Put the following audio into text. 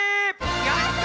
やった！